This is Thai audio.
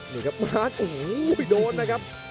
นี่ครับณโอ้โหเดินครับ